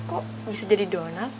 kok bisa jadi donat